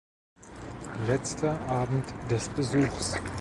Letzter Abend des Besuchs.